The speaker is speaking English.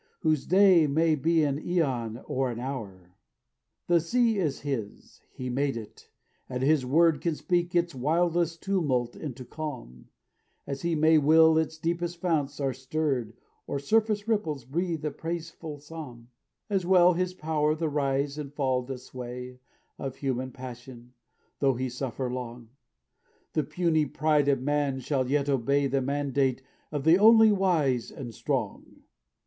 Whose day may be an æon or an hour? "The sea is His; He made it; and His word Can speak its wildest tumult into calm; As He may will its deepest founts are stirred, Or surface ripples breathe a praiseful psalm. "As well His power the rise and fall doth sway Of human passion, tho He suffer long; The puny pride of man shall yet obey The mandate of the Only Wise and Strong.